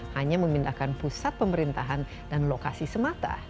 hanya memindahkan pusat pemerintahan dan lokasi semata